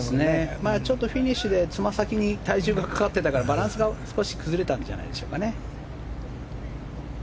ちょっとフィニッシュでつま先に体重がかかってたからバランスが少し崩れたんじゃないでしょうか。